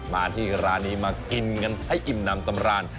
มาที่ร้านนี้มากินกันให้อิ่มน้ำสำราญ